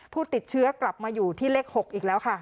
ผู้ติดเชื้อกลับมาอยู่ที่เลข๖อีกแล้วค่ะ